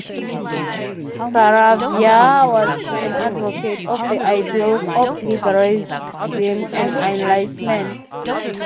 Saraiva was an advocate of the ideals of Liberalism and Enlightenment.